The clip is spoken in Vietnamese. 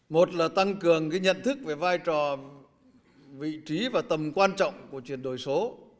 một là tăng cường nhận thức về vai trò vị trí và tầm quan trọng của chuyển đổi số